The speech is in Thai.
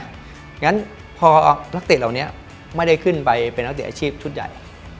งั้นพอนักเตะเหล่านี้ไม่ได้ขึ้นไปเป็นนักเตะอาชีพชุดใหญ่